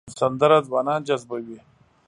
سندره ځوانان جذبوي